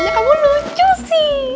kamu lucu sih